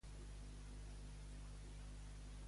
Quants idiomes domina la barcelonina?